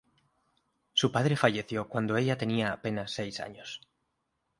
Su padre falleció cuando ella tenía apenas seis años.